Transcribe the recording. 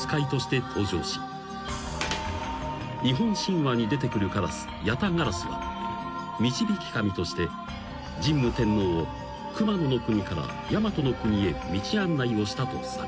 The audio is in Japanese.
［日本神話に出てくるカラス八咫烏は導き神として神武天皇を熊野国から大和国へ道案内をしたとされる］